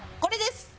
これです。